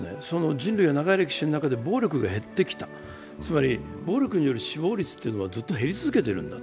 人類の長い歴史の中で暴力が減ってきた、つまり暴力による死亡率はずっと減り続けている。